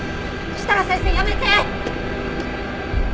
設楽先生やめて！